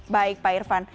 baik pak irfan